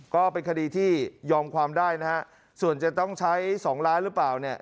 ก็เป็นคดีที่ยอมความได้นะฮะส่วนจะต้องใช้๒ล้านหรือเปล่าเนี่ย